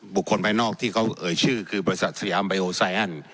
บุคคลภายนอกที่เขาเอ่ยชื่อคือบริษัทสยามเบโอไซฮัน